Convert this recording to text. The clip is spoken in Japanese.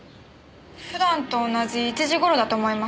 普段と同じ１時頃だと思います。